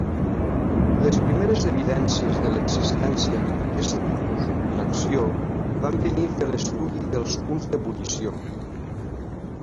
Les primeres evidències de l'existència d'aquest tipus d'interacció van venir de l'estudi dels punts d'ebullició.